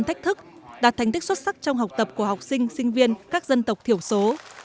đạt thành tích xuất sắc trong học tập của học sinh sinh viên các dân tộc thiểu số